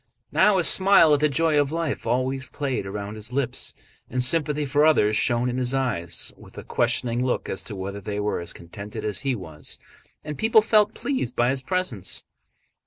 Now a smile at the joy of life always played round his lips, and sympathy for others shone in his eyes with a questioning look as to whether they were as contented as he was, and people felt pleased by his presence.